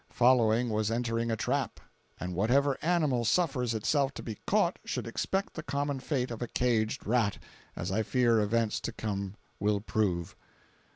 Following was entering a trap, and whatever animal suffers itself to be caught should expect the common fate of a caged rat, as I fear events to come will prove.